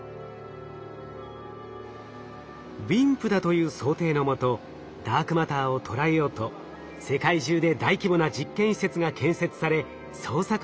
ＷＩＭＰだという想定のもとダークマターを捉えようと世界中で大規模な実験施設が建設され捜索が行われてきました。